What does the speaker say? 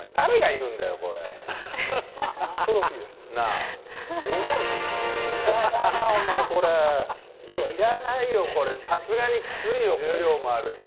むだだな、これ、いらないよ、これ、さすがにきついよ、重量もあるし。